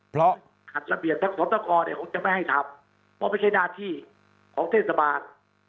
ผลัดละเบียนของต๊อกอจะไม่ให้ทำเพราะไม่ใช่หน้าที่ของเทศบาล